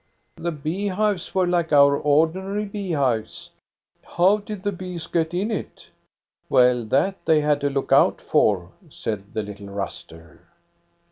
"The bee hives were like our ordinary bee hives." " How did the bees get in t " "Well, that they had to look out for," said the little Ruster.